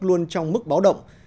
luôn trong mức báo động